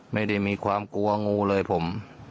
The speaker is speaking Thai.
ไม่ได้มีความกลัวงูเลยผม